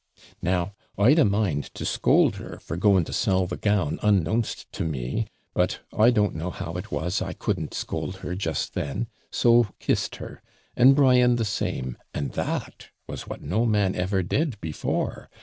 Now I'd a mind to scold her for going to sell the gown unknown'st to me, but I don't know how it was, I couldn't scold her just then, so kissed her, and Brian the same, and that was what no man ever did before.